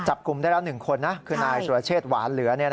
จับกลุ่มได้แล้ว๑คนคือนายสุรเชษหวานเหลือ